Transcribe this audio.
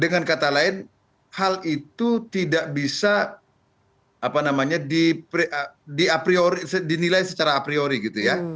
dengan kata lain hal itu tidak bisa dinilai secara a priori gitu ya